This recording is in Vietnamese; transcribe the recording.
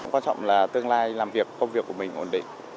quan trọng là tương lai làm việc công việc của mình ổn định